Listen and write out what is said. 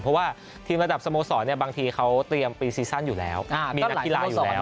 เพราะว่าทีมระดับสโมสรบางทีเขาเตรียมปีซีซั่นอยู่แล้วมีนักกีฬาอยู่แล้ว